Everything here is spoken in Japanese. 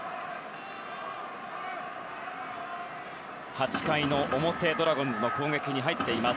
８回表、ドラゴンズの攻撃に入っています。